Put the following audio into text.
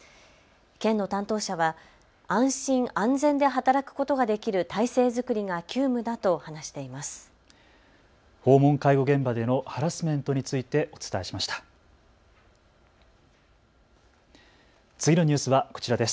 県の担当者は安心・安全で働くことができる体制作りが急務だと話しています。